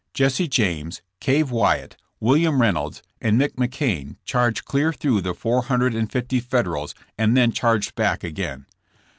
Jesse James, Cave Wyatt, William Reynolds and McMacane charged clear through the four hundred and fifty Federals and then charged back again.